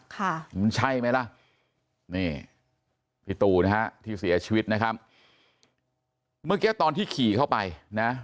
ค่ะมันใช่ไหมล่ะนี่พี่ตู่นะฮะที่เสียชีวิตนะครับเมื่อกี้ตอนที่ขี่เข้าไปนะ